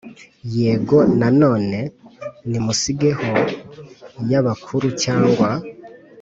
yego na none « nimusigeho » y' abakuru cyangwa